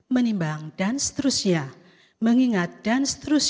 menimbang dan seterusnya mengingat dan seterusnya